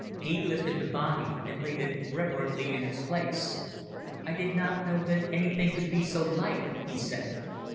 He lifted the body and laid it reverently in its place. "I did not know that anything could be so light," he said.